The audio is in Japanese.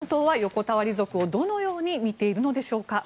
その中国共産は横たわり族をどのように見ているのでしょうか。